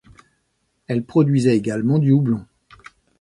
Elle produisait également du houblon.